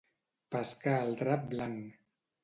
Pescar al drap blanc.